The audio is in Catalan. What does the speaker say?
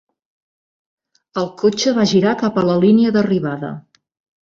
El cotxe va girar cap a la línia d'arribada.